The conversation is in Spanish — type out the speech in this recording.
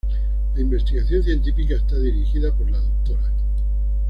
La investigación científica está dirigida por la Dra.